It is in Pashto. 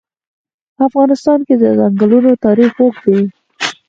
په افغانستان کې د ځنګلونه تاریخ اوږد دی.